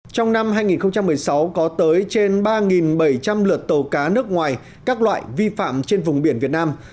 trong năm hai nghìn một mươi sáu có tới trên ba bảy trăm linh lượt tàu cá nước ngoài các loại vi phạm trên vùng biển việt nam